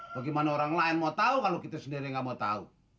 bagaimana orang lain mau tahu kalau kita sendiri nggak mau tahu